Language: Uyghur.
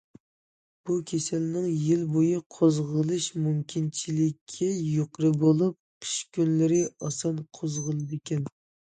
بۇ كېسەلنىڭ يىل بويى قوزغىلىش مۇمكىنچىلىكى يۇقىرى بولۇپ، قىش كۈنلىرى ئاسان قوزغىلىدىكەن.